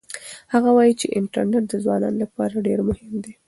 هغه وایي چې انټرنيټ د ځوانانو لپاره ډېر مهم دی.